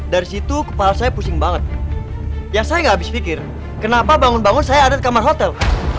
dari situ kepala saya pusing banget ya saya gak habis pikir kenapa bangun bangun saya ada di kamar hotel